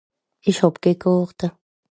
Esch hàb keh Gàrte